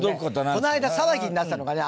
この間騒ぎになってたのがね